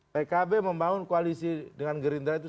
pkb membangun koalisi dengan gerindra itu